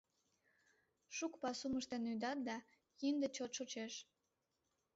Шуко пасум ыштен ӱдат да, кинде чот шочеш.